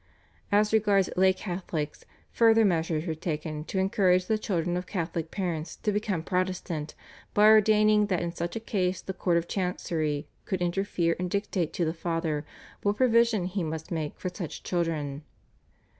As regards lay Catholics further measures were taken to encourage the children of Catholic parents to become Protestant by ordaining that in such a case the Court of Chancery could interfere and dictate to the father what provision he must make for such children.